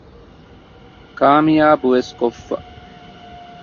ކާމިޔާބުވެސް ކޮށްފަ